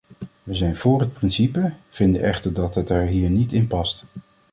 We zijn voor het principe, vinden echter dat het hier niet in past.